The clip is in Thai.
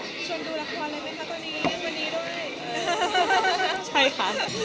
ชวนดูละครไหมคะตอนนี้อย่างบันนี้ด้วย